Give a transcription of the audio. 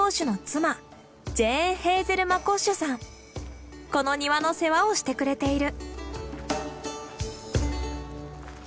屋敷のこの庭の世話をしてくれている。